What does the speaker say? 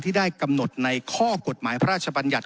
ได้กำหนดในข้อกฎหมายพระราชบัญญัติ